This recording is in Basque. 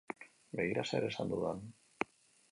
Begira zer esan dudan.